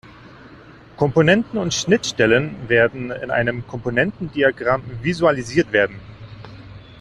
Komponenten und Schnittstellen werden in einem Komponentendiagramm visualisiert werden.